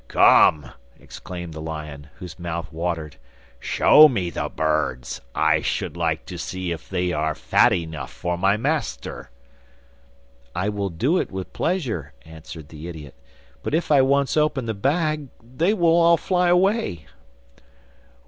'Come,' exclaimed the lion, whose mouth watered, 'show me the birds! I should like to see if they are fat enough for my master.' 'I would do it with pleasure,' answered the idiot, 'but if I once open the bag they will all fly away.